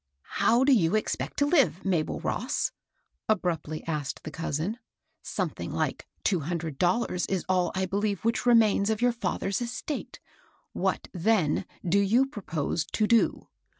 "How do you expect to live, Mabel Ross?" abruptly asked the eousin. "Something like two hundred dollars is all I believe which remains of your fiither's estate; what then, do you propose to do?"